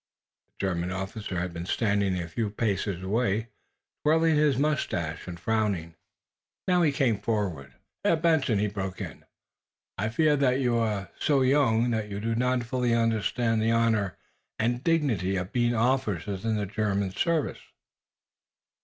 The German officer had been standing a few paces away, twirling his moustache and frowning. Now, he came forward. "Herr Benson," he broke in, "I fear that you are so young that you do not fully understand the honor and dignity of being officers in the German service."